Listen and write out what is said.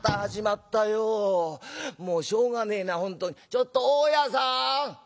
ちょっと大家さん。